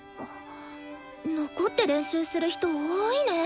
残って練習する人多いね。